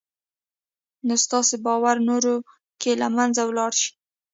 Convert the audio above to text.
نو ستاسې باور نورو کې له منځه وړلای شي